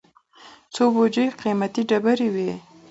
څو بوجۍ قېمتي ډبرې وې.